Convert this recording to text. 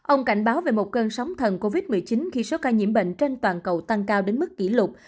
ông cảnh báo về một cơn sóng thần covid một mươi chín khi số ca nhiễm bệnh trên toàn cầu tăng cao đến mức kỷ lục